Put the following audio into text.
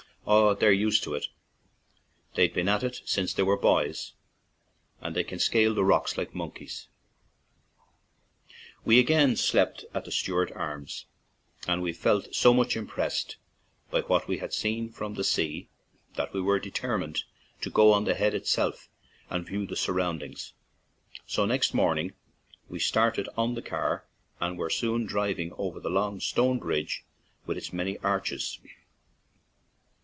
"Oh, they're used to it; they've been at it since they were boys, and they can scale the rocks like monkeys." We again slept at the Stewart Arms, 25 ON AN IRISH JAUNTING CAR and we felt so much impressed by what we had seen from the sea that wc determined to go on the head itself and view the sur roundings; so next morning we started on the car and were soon driving over the long stone bridge with its many arches.